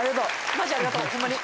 マジありがとうホンマに。